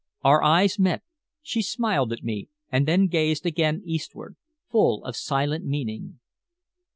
Our eyes met; she smiled at me, and then gazed again eastward, full of silent meaning.